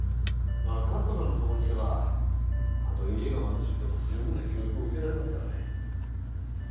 まあ勝子さんの所にいればたとえ家が貧しくても十分な教育を受けられますからね。